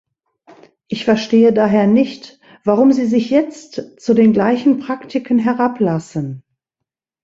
Ich verstehe daher nicht, warum Sie sich jetzt zu den gleichen Praktiken herablassen.